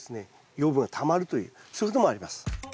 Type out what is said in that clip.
養分がたまるというそういうこともあります。